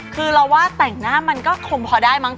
คือเราว่าแต่งหน้ามันก็คงพอได้มั้